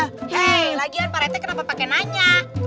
hei lagian pak rete kenapa pakai nanya